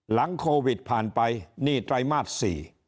หลังโควิดผ่านไปนี่ไตรมาส๔